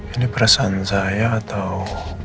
ini perasaan saya atau